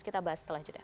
kita bahas setelah itu ya